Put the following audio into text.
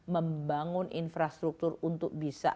membangun infrastruktur untuk bisa